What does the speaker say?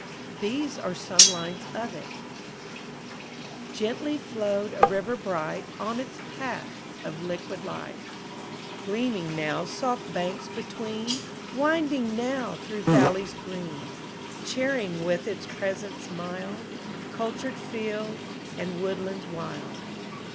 These are some lines of it: "Gently flowed a river bright On its path of liquid light, Gleaming now soft banks between, Winding now through valleys green, Cheering with its presence mild Cultured fields and woodlands wild.